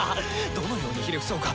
どのようにひれ伏そうか？